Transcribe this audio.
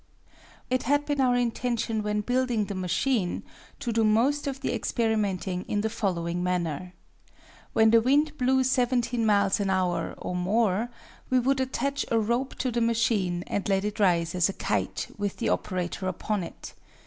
It had been our intention when building the machine to do most of the experimenting in the following manner: When the wind blew 17 miles an hour, or more, we would attach a rope to the machine and let it rise as a kite with the operator upon it.